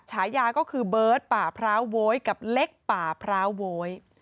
ฉายาก็คือเบิร์ตป่าพร้าวโว๊ยกับเล็กป่าพร้าวโว๊ย